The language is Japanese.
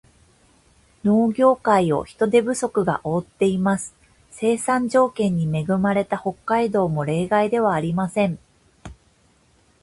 農業界を人手不足が覆っています。生産条件に恵まれた北海道も例外ではありません。